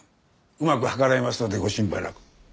うまく計らいますのでご心配なく。